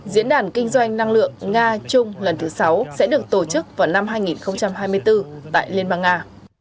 diễn đàn kinh doanh năng lượng nga trung lần thứ sáu sẽ được tổ chức vào năm hai nghìn hai mươi bốn tại liên bang nga